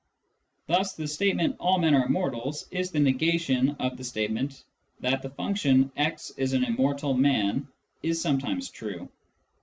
Thus the statement " all men are mortals " is the negation of the statement that the function " x is a mortal man " is sometimes true.